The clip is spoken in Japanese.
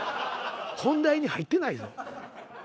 本題に入ってないぞ。